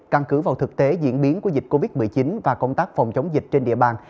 căn cứ vào thực tế diễn biến của dịch covid một mươi chín và công tác phòng chống dịch trên địa bàn